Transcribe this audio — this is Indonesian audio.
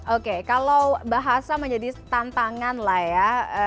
oke kalau bahasa menjadi tantangan lah ya